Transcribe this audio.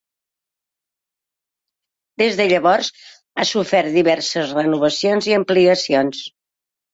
Des de llavors ha sofert diverses renovacions i ampliacions.